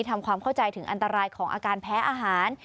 ทำความเข้าใจถึงอันตรายของอาการแพ้อาหาร